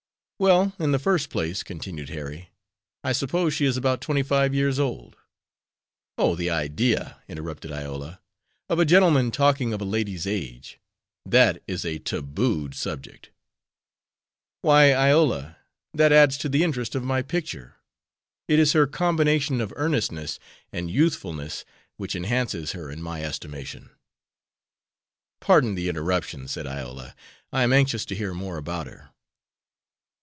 "Well, in the first place," continued Harry, "I suppose she is about twenty five years old." "Oh, the idea," interrupted Iola, "of a gentleman talking of a lady's age. That is a tabooed subject." "Why, Iola, that adds to the interest of my picture. It is her combination of earnestness and youthfulness which enhances her in my estimation." "Pardon the interruption," said Iola; "I am anxious to hear more about her."